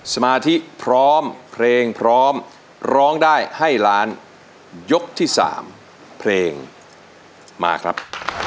สมาธิพร้อมเพลงพร้อมร้องได้ให้ล้านยกที่สามเพลงมาครับ